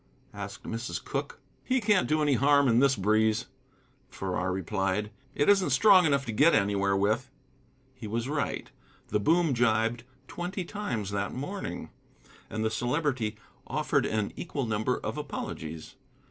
asked Mrs. Cooke. "He can't do any harm in this breeze," Farrar replied; "it isn't strong enough to get anywhere with." He was right. The boom gybed twenty times that morning, and the Celebrity offered an equal number of apologies. Mr.